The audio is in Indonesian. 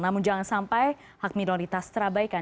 namun jangan sampai hak minoritas terabaikan